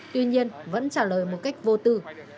tuy nhiên vẫn trả lời một cách vô tư